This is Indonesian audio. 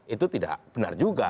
itu tidak benar juga